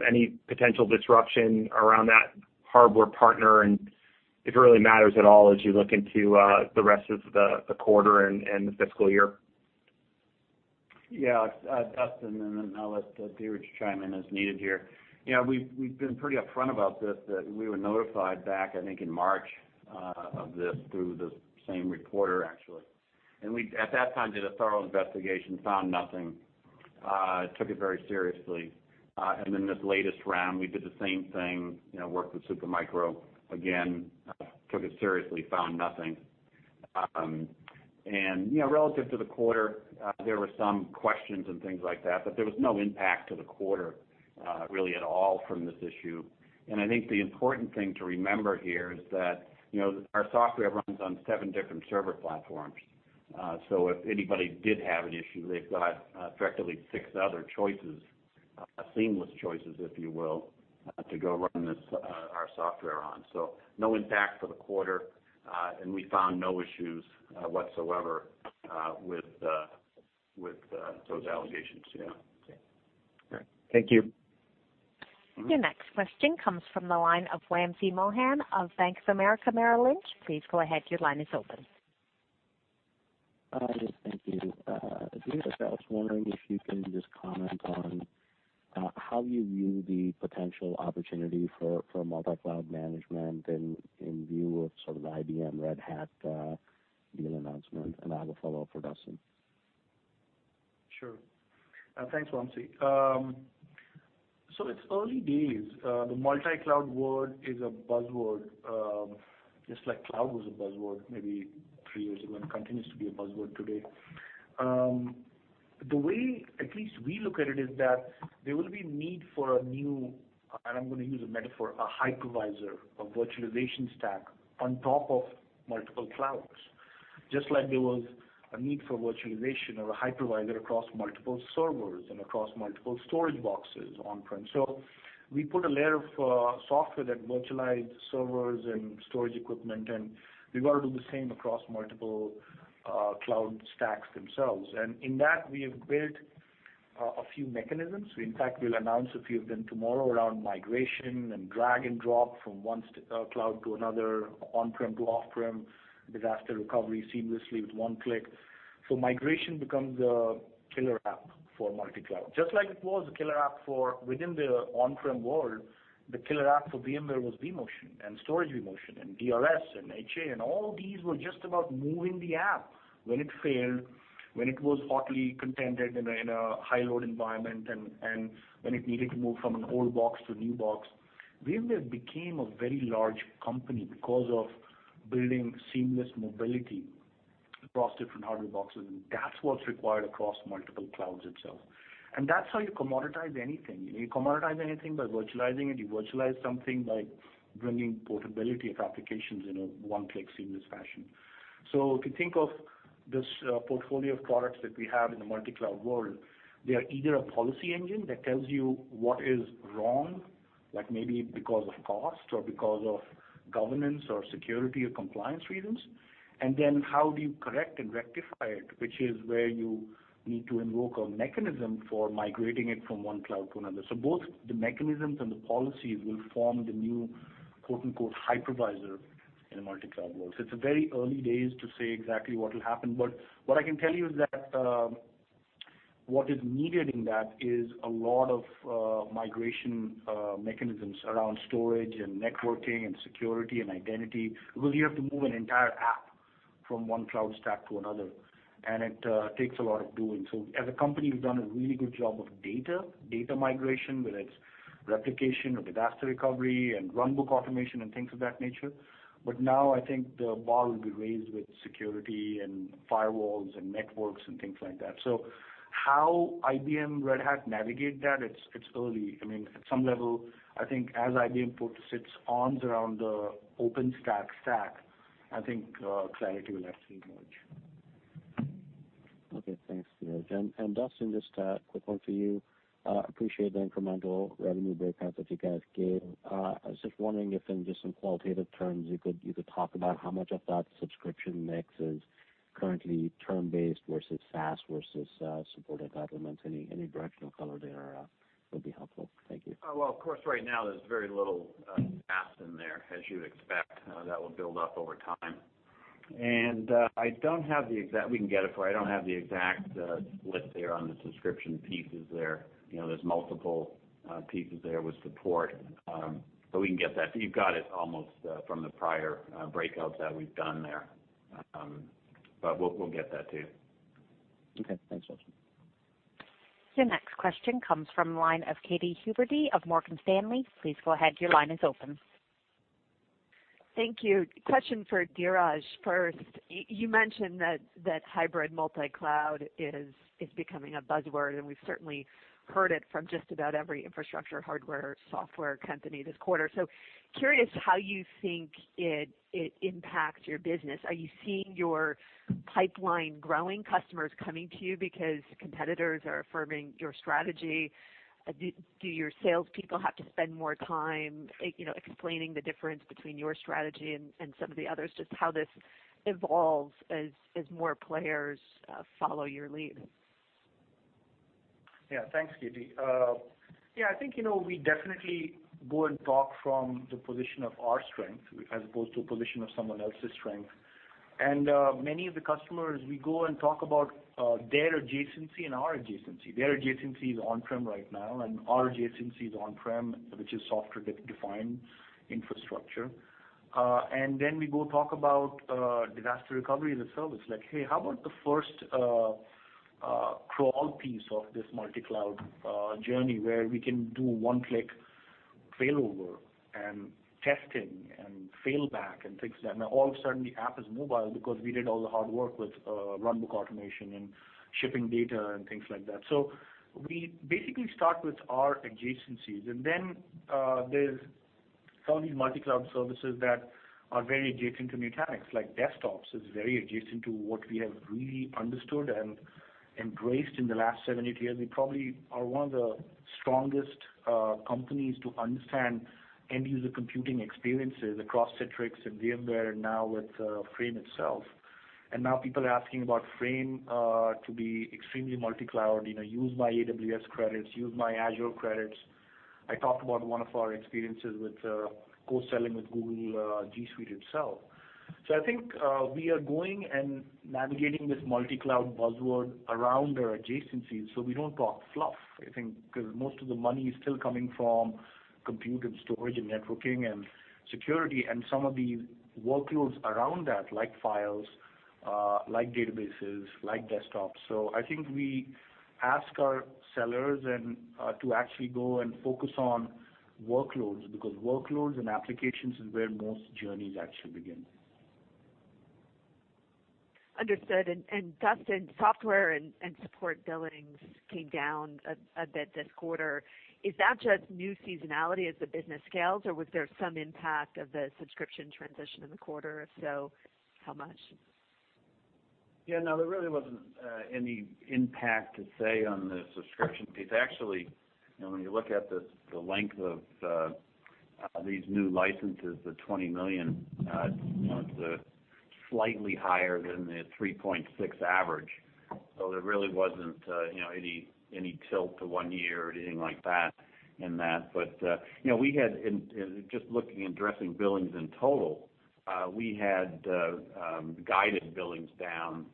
any potential disruption around that hardware partner, and if it really matters at all as you look into the rest of the quarter and the fiscal year. Yeah. Duston, I'll let Dheeraj chime in as needed here. We've been pretty upfront about this, that we were notified back, I think, in March of this through the same reporter, actually. We, at that time, did a thorough investigation, found nothing, took it very seriously. This latest round, we did the same thing, worked with Supermicro again, took it seriously, found nothing. Relative to the quarter, there were some questions and things like that, but there was no impact to the quarter really at all from this issue. I think the important thing to remember here is that our software runs on seven different server platforms. If anybody did have an issue, they've got effectively six other choices, seamless choices, if you will, to go run our software on. No impact for the quarter, we found no issues whatsoever with those allegations. Thank you. Your next question comes from the line of Wamsi Mohan of Bank of America Merrill Lynch. Please go ahead, your line is open. Wamsi, thank you. Dheeraj, I was wondering if you can just comment on how you view the potential opportunity for multi-cloud management in view of sort of the IBM Red Hat deal announcement, and I have a follow-up for Duston. Sure. Thanks, Wamsi. It's early days. The multi-cloud world is a buzzword, just like cloud was a buzzword maybe three years ago, and continues to be a buzzword today. The way at least we look at it is that there will be need for a new, and I'm going to use a metaphor, a hypervisor, a virtualization stack on top of multiple clouds, just like there was a need for virtualization or a hypervisor across multiple servers and across multiple storage boxes on-prem. We put a layer of software that virtualized servers and storage equipment, and we got to do the same across multiple cloud stacks themselves. In that, we have built a few mechanisms. In fact, we'll announce a few of them tomorrow around migration and drag and drop from one cloud to another, on-prem to off-prem, disaster recovery seamlessly with one click. Migration becomes a killer app for multi-cloud. Just like it was a killer app for within the on-prem world, the killer app for VMware was vMotion and storage vMotion and DRS and HA, and all these were just about moving the app when it failed, when it was hotly contended in a high load environment, and when it needed to move from an old box to a new box. VMware became a very large company because of building seamless mobility across different hardware boxes, and that's what's required across multiple clouds itself. That's how you commoditize anything. You commoditize anything by virtualizing it. You virtualize something by bringing portability of applications in a one-click seamless fashion. If you think of this portfolio of products that we have in the multi-cloud world, they are either a policy engine that tells you what is wrong, like maybe because of cost or because of governance or security or compliance reasons, and then how do you correct and rectify it, which is where you need to invoke a mechanism for migrating it from one cloud to another. Both the mechanisms and the policies will form the new "hypervisor" in a multi-cloud world. It's very early days to say exactly what will happen, but what I can tell you is that what is needed in that is a lot of migration mechanisms around storage and networking and security and identity, because you have to move an entire app from one cloud stack to another, and it takes a lot of doing. As a company, we've done a really good job of data migration, whether it's replication or disaster recovery and run book automation and things of that nature. Now I think the bar will be raised with security and firewalls and networks and things like that. How IBM Red Hat navigate that, it's early. At some level, I think as IBM puts its arms around the OpenShift stack, I think clarity will actually emerge. Okay, thanks, Dheeraj. Dustin, just a quick one for you. Appreciate the incremental revenue breakouts that you guys gave. I was just wondering if in just some qualitative terms, you could talk about how much of that subscription mix is currently term-based versus SaaS versus supported entitlements. Any directional color there would be helpful. Thank you. Well, of course, right now there's very little SaaS in there, as you'd expect. That will build up over time. I don't have the exact. We can get it for you. I don't have the exact split there on the subscription pieces there. There's multiple pieces there with support. We can get that, but you've got it almost from the prior breakouts that we've done there. We'll get that to you. Okay. Thanks, Duston. Your next question comes from the line of Kathryn Huberty of Morgan Stanley. Please go ahead. Your line is open. Thank you. Question for Dheeraj first. You mentioned that hybrid multi-cloud is becoming a buzzword, and we've certainly heard it from just about every infrastructure, hardware, software company this quarter. Curious how you think it impacts your business. Are you seeing your pipeline growing, customers coming to you because competitors are affirming your strategy? Do your salespeople have to spend more time explaining the difference between your strategy and some of the others? Just how this evolves as more players follow your lead. Yeah, thanks, Katy. Yeah, I think, we definitely go and talk from the position of our strength as opposed to a position of someone else's strength. Many of the customers, we go and talk about their adjacency and our adjacency. Their adjacency is on-prem right now, and our adjacency is on-prem, which is software defined infrastructure. We go talk about disaster recovery as a service like, "Hey, how about the first crawl piece of this multi-cloud journey where we can do one-click failover and testing and failback and things like that?" Now all of a sudden, the app is mobile because we did all the hard work with runbook automation and shipping data and things like that. We basically start with our adjacencies. There's some of these multi-cloud services that are very adjacent to Nutanix, like desktops is very adjacent to what we have really understood and embraced in the last seven, eight years. We probably are one of the strongest companies to understand end-user computing experiences across Citrix and VMware and now with Frame itself. Now people are asking about Frame to be extremely multi-cloud, use my AWS credits, use my Azure credits. I talked about one of our experiences with co-selling with Google G Suite itself. I think we are going and navigating this multi-cloud buzzword around our adjacencies, so we don't talk fluff, I think, because most of the money is still coming from compute and storage and networking and security and some of these workloads around that, like Files, like databases, like desktops. I think we ask our sellers to actually go and focus on workloads, because workloads and applications is where most journeys actually begin. Understood. Dustin, software and support billings came down a bit this quarter. Is that just new seasonality as the business scales, or was there some impact of the subscription transition in the quarter? If so, how much? There really wasn't any impact to say on the subscription piece. Actually, when you look at the length of these new licenses, the $20 million, it's slightly higher than the 3.6 average. There really wasn't any tilt to one year or anything like that in that. Just looking and addressing billings in total, we had guided billings down,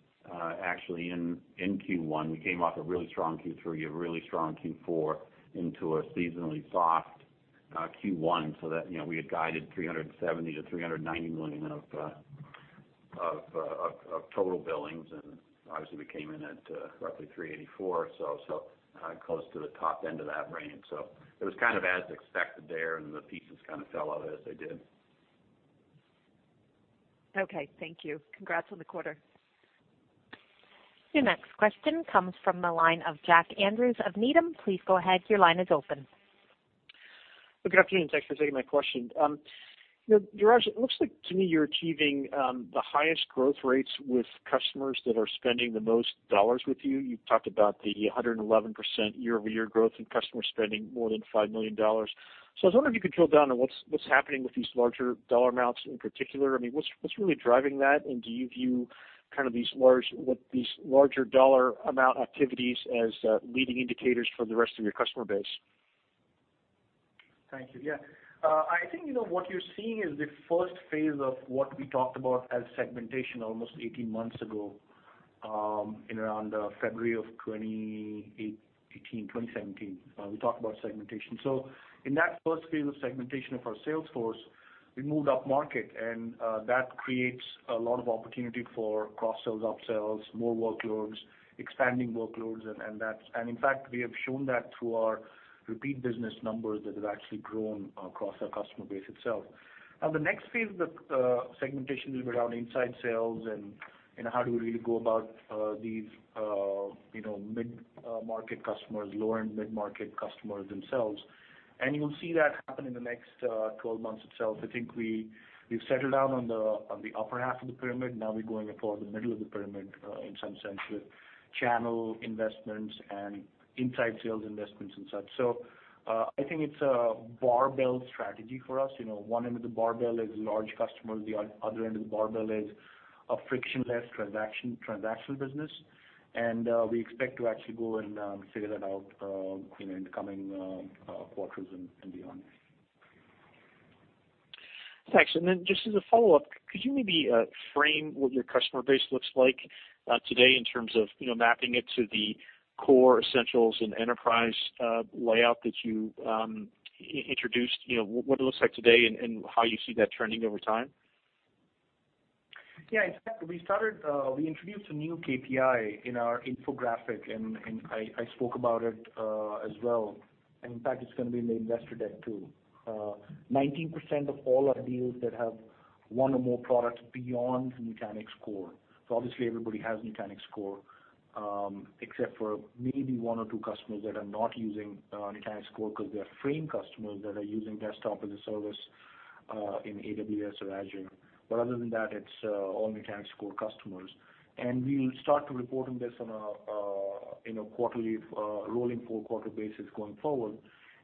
actually in Q1. We came off a really strong Q3, a really strong Q4 into a seasonally soft Q1, that we had guided $370 million-$390 million of total billings, and obviously we came in at roughly $384 million, close to the top end of that range. It was kind of as expected there, and the pieces kind of fell out as they did. Thank you. Congrats on the quarter. Your next question comes from the line of Jack Andrews of Needham. Please go ahead. Your line is open. Good afternoon. Thanks for taking my question. Dheeraj, it looks like to me you're achieving the highest growth rates with customers that are spending the most dollars with you. You talked about the 111% year-over-year growth in customer spending, more than $5 million. I was wondering if you could drill down on what's happening with these larger dollar amounts in particular. What's really driving that? Do you view what these larger dollar amount activities as leading indicators for the rest of your customer base? Thank you. Yeah. I think what you're seeing is the first phase of what we talked about as segmentation almost 18 months ago, in around February of 2018, 2017, we talked about segmentation. In that first phase of segmentation of our sales force, we moved upmarket, and that creates a lot of opportunity for cross-sells, up-sells, more workloads, expanding workloads, and in fact, we have shown that through our repeat business numbers that have actually grown across our customer base itself. The next phase of segmentation will be around inside sales and how do we really go about these mid-market customers, low-end mid-market customers themselves. You'll see that happen in the next 12 months itself. I think we've settled down on the upper half of the pyramid. We're going toward the middle of the pyramid, in some sense, with channel investments and inside sales investments and such. I think it's a barbell strategy for us. One end of the barbell is large customers, the other end of the barbell is a frictionless transactional business. We expect to actually go and figure that out in the coming quarters and beyond. Thanks. Just as a follow-up, could you maybe frame what your customer base looks like today in terms of mapping it to the Core, Essentials, and Enterprise layout that you introduced, what it looks like today, and how you see that trending over time? In fact, we introduced a new KPI in our infographic, and I spoke about it as well. In fact, it's going to be in the investor deck, too. 19% of all our deals that have one or more products beyond Nutanix Core. Obviously everybody has Nutanix Core, except for maybe one or two customers that are not using Nutanix Core because they are Frame customers that are using Desktop-as-a-Service in AWS or Azure. Other than that, it's all Nutanix Core customers. We will start to report on this on a rolling four-quarter basis going forward.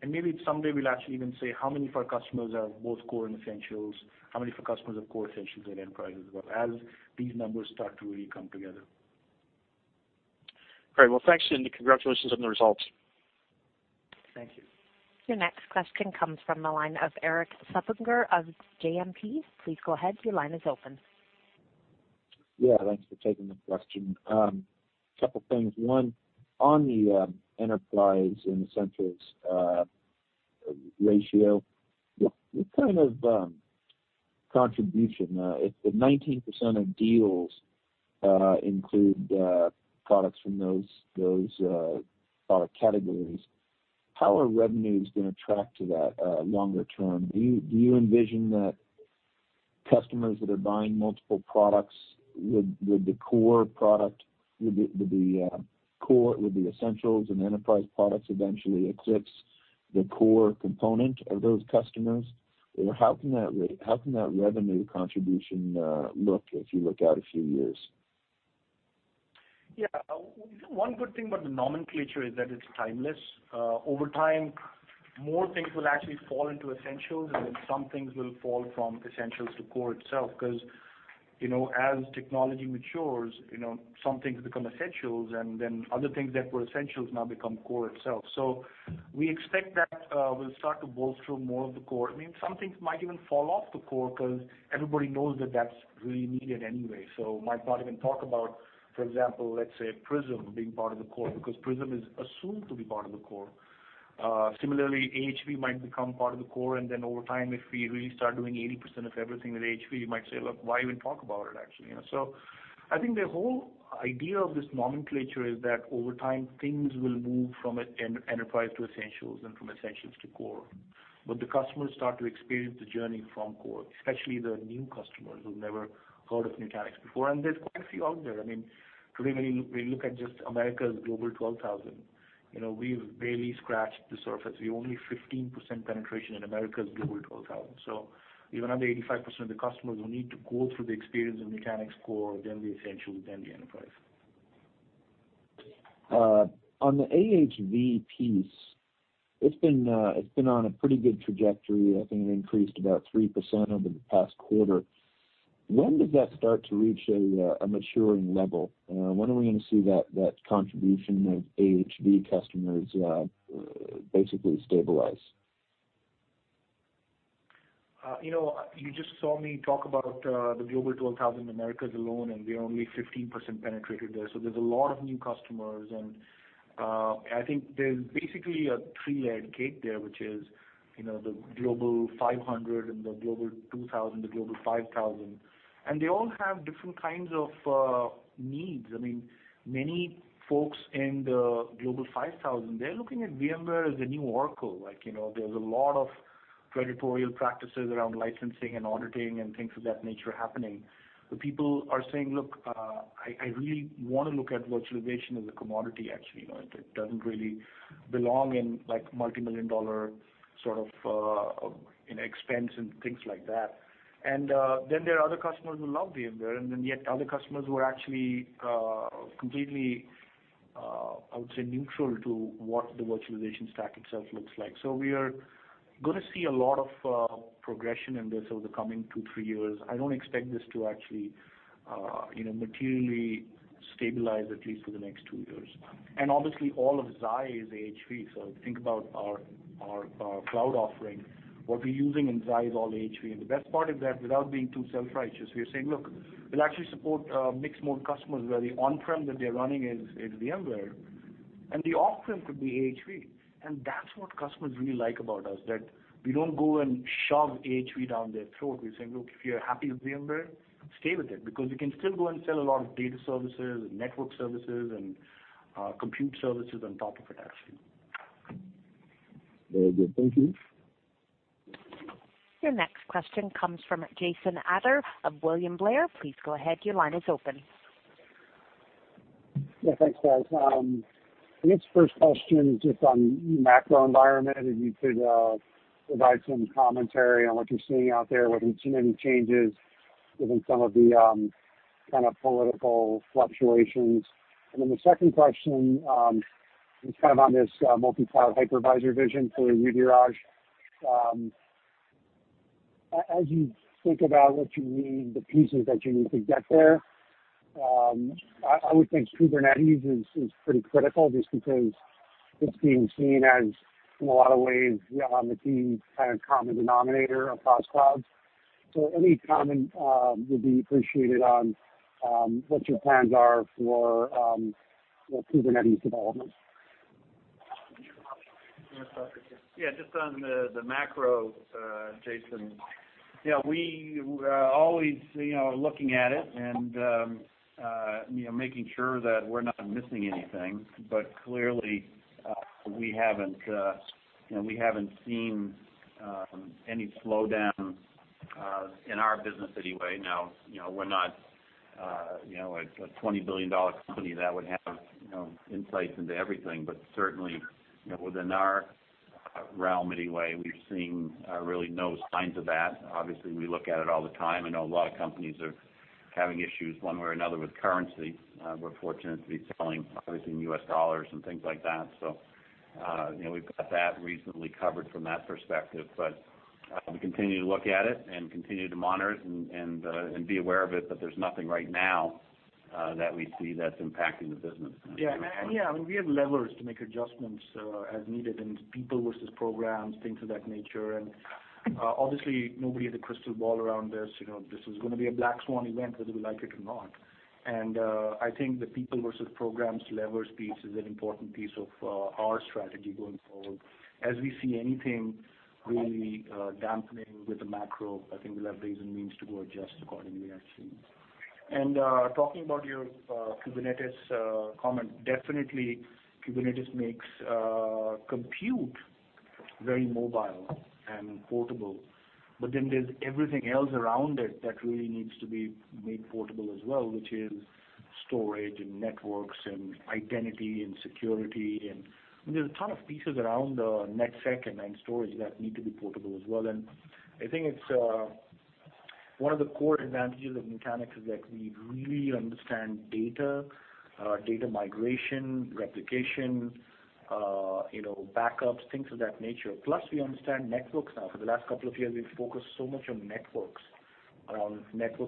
Maybe someday we'll actually even say how many of our customers are both Core and Essentials, how many of our customers are Core, Essentials, and Enterprise as well, as these numbers start to really come together. Thanks, Dheeraj. Congratulations on the results. Thank you. Your next question comes from the line of Erik Suppiger of JMP. Please go ahead. Your line is open. Thanks for taking the question. Couple of things. One, on the Enterprise and Essentials ratio, what kind of contribution, if the 19% of deals include products from those product categories, how are revenues going to track to that longer term? Do you envision that customers that are buying multiple products, would the Essentials and Enterprise products eventually eclipse the Core component of those customers? Or how can that revenue contribution look if you look out a few years? One good thing about the nomenclature is that it's timeless. Over time, more things will actually fall into Essentials, and then some things will fall from Essentials to Core itself, because as technology matures, some things become Essentials, and then other things that were Essentials now become Core itself. We expect that we'll start to bolster more of the Core. Some things might even fall off the Core because everybody knows that that's really needed anyway. Might not even talk about, for example, let's say Prism being part of the Core because Prism is assumed to be part of the Core. Similarly, AHV might become part of the Core, and then over time, if we really start doing 80% of everything with AHV, you might say, "Look, why even talk about it, actually?" I think the whole idea of this nomenclature is that over time, things will move from Enterprise to Essentials and from Essentials to Core. The customers start to experience the journey from Core, especially the new customers who never heard of Nutanix before. There's quite a few out there. Today, when we look at just America's Global 12,000, we've barely scratched the surface. We're only 15% penetration in America's Global 12,000. We've another 85% of the customers who need to go through the experience of Nutanix Core, then the Essentials, then the Enterprise. On the AHV piece, it's been on a pretty good trajectory. I think it increased about 3% over the past quarter. When does that start to reach a maturing level? When are we going to see that contribution of AHV customers basically stabilize? You just saw me talk about the Global 12,000 Americas alone, we are only 15% penetrated there. There's a lot of new customers, I think there's basically a three-layer cake there, which is the Global 500 and the Global 2,000, the Global 5000. They all have different needs. Many folks in the Global 5,000, they're looking at VMware as the new Oracle. There's a lot of territorial practices around licensing and auditing and things of that nature happening. People are saying, "Look, I really want to look at virtualization as a commodity, actually. It doesn't really belong in multimillion-dollar expense and things like that." There are other customers who love VMware, yet other customers who are actually completely, I would say, neutral to what the virtualization stack itself looks like. We are going to see a lot of progression in this over the coming two, three years. I don't expect this to actually materially stabilize, at least for the next two years. Obviously all of Xi is AHV, think about our cloud offering. What we're using in Xi is all AHV. The best part is that without being too self-righteous, we are saying, look, we'll actually support mixed-mode customers where the on-prem that they're running is VMware, the off-prem could be AHV. That's what customers really like about us, that we don't go and shove AHV down their throat. We say, "Look, if you're happy with VMware, stay with it." We can still go and sell a lot of data services and network services and compute services on top of it, actually. Very good. Thank you. Your next question comes from Jason Ader of William Blair. Please go ahead, your line is open. Thanks, guys. I guess first question is just on macro environment, if you could provide some commentary on what you're seeing out there, whether you see any changes given some of the political fluctuations. The second question is on this multi-cloud hypervisor vision for Dheeraj. As you think about what you need, the pieces that you need to get there, I would think Kubernetes is pretty critical, just because it's being seen as, in a lot of ways, the key common denominator across clouds. Any comment would be appreciated on what your plans are for Kubernetes development. You want to start with this? Yeah, just on the macro, Jason. We are always looking at it and making sure that we're not missing anything. Clearly, we haven't seen any slowdown in our business anyway. Now, we're not a $20 billion company that would have insights into everything. Certainly, within our realm anyway, we've seen really no signs of that. Obviously, we look at it all the time. I know a lot of companies are having issues one way or another with currency. We're fortunate to be selling obviously in U.S. dollars and things like that. We've got that reasonably covered from that perspective. We continue to look at it and continue to monitor it and be aware of it. There's nothing right now that we see that's impacting the business. Yeah. I mean, we have levers to make adjustments as needed in people versus programs, things of that nature. Obviously, nobody has a crystal ball around this. This is going to be a black swan event whether we like it or not. I think the people versus programs levers piece is an important piece of our strategy going forward. As we see anything really dampening with the macro, I think we'll have the means to go adjust accordingly actually. Talking about your Kubernetes comment, definitely Kubernetes makes compute very mobile and portable. There's everything else around it that really needs to be made portable as well, which is storage and networks and identity and security, and there's a ton of pieces around the net sec and storage that need to be portable as well. I think it's one of the core advantages of Nutanix is that we really understand data migration, replication, backups, things of that nature. Plus, we understand networks now. For the last couple of years, we've focused so much on networks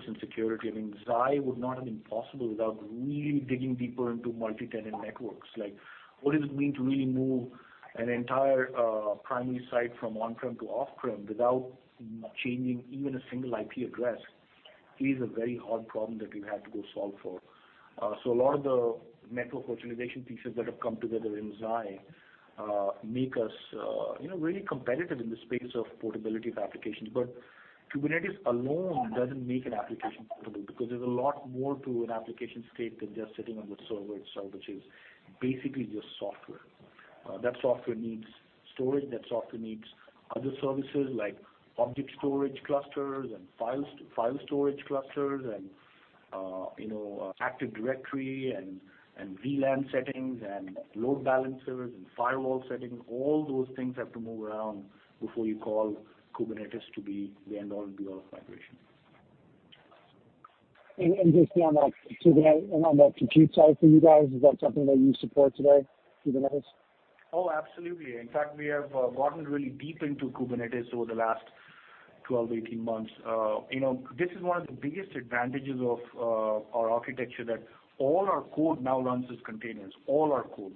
and security. Xi would not have been possible without really digging deeper into multi-tenant networks. What does it mean to really move an entire primary site from on-prem to off-prem without changing even a single IP address is a very hard problem that we've had to go solve for. A lot of the network virtualization pieces that have come together in Xi make us really competitive in the space of portability of applications. Kubernetes alone doesn't make an application portable because there's a lot more to an application state than just sitting on the server itself, which is basically just software. That software needs storage. That software needs other services like object storage clusters and file storage clusters and active directory and VLAN settings and load balancers and firewall settings. All those things have to move around before you call Kubernetes to be the end all be all of migration. Just on that compute side for you guys, is that something that you support today, Kubernetes? Oh, absolutely. In fact, we have gotten really deep into Kubernetes over the last 12, 18 months. This is one of the biggest advantages of our architecture, that all our code now runs as containers, all our code.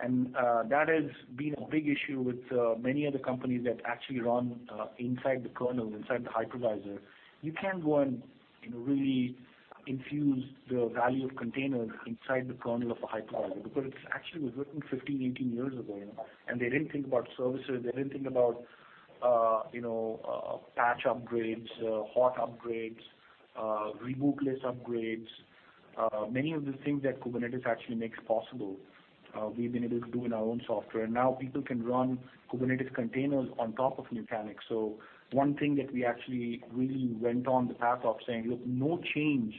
That has been a big issue with many other companies that actually run inside the kernel, inside the hypervisor. You can't go and really infuse the value of containers inside the kernel of a hypervisor because it actually was written 15, 18 years ago, and they didn't think about services. They didn't think about patch upgrades, hot upgrades, rebootless upgrades. Many of the things that Kubernetes actually makes possible, we've been able to do in our own software. Now people can run Kubernetes containers on top of Nutanix. One thing that we actually really went on the path of saying, "Look, no change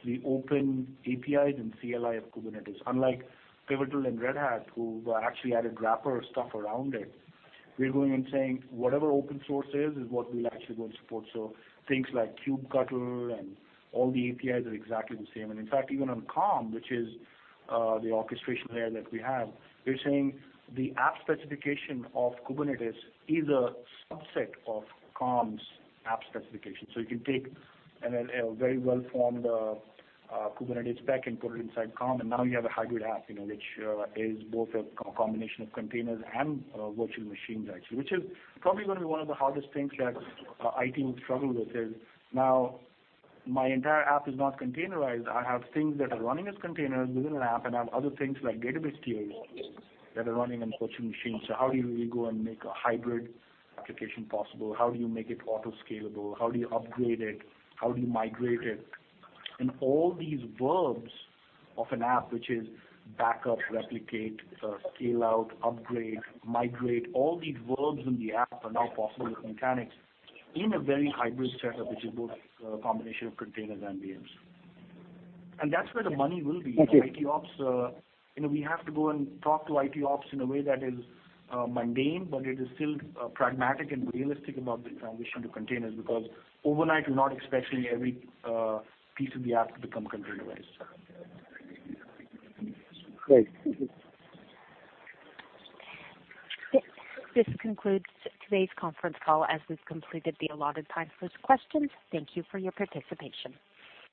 to the open APIs and CLI of Kubernetes." Unlike Pivotal and Red Hat, who actually added wrapper stuff around it, we're going and saying, "Whatever open source is what we'll actually go and support." Things like kubectl and all the APIs are exactly the same. In fact, even on Calm, which is the orchestration layer that we have, we're saying the app specification of Kubernetes is a subset of Calm's app specification. You can take a very well-formed Kubernetes spec and put it inside Calm, and now you have a hybrid app, which is both a combination of containers and virtual machines actually, which is probably going to be one of the hardest things that IT will struggle with, is now my entire app is not containerized. I have things that are running as containers within an app, and I have other things like database tiers that are running on virtual machines. How do you really go and make a hybrid application possible? How do you make it auto scalable? How do you upgrade it? How do you migrate it? All these verbs of an app, which is backup, replicate, scale out, upgrade, migrate, all these verbs in the app are now possible with Nutanix in a very hybrid setup, which is both a combination of containers and VMs. That's where the money will be. Okay. We have to go and talk to IT ops in a way that is mundane, but it is still pragmatic and realistic about the transition to containers, because overnight, we're not expecting every piece of the app to become containerized. Great. Thank you. This concludes today's conference call as we've completed the allotted time for questions. Thank you for your participation.